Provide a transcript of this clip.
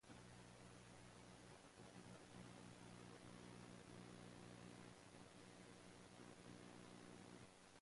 Actress Anna Stuart auditioned for this part but lost the role to Dano.